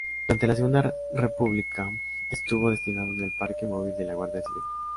Durante la Segunda República estuvo destinado en el Parque Móvil de la Guardia Civil.